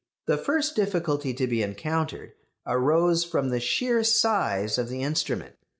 The first difficulty to be encountered arose from the sheer size of the instrument.